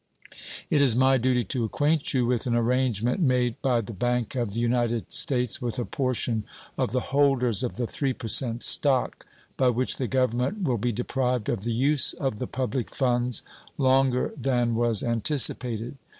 It is my duty to acquaint you with an arrangement made by the Bank of the United States with a portion of the holders of the 3% stock, by which the Government will be deprived of the use of the public funds longer than was anticipated.